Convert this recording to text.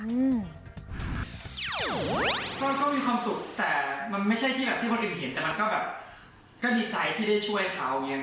ผมก็มีความสุขแต่มันไม่ใช่ที่พวกผมเห็นแต่มันก็แบบมีใจที่ได้ช่วยเขา